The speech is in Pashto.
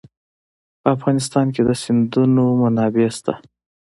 په افغانستان کې د سیندونه منابع شته.